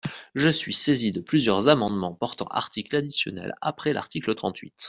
Je suis saisi de plusieurs amendements portant article additionnel après l’article trente-huit.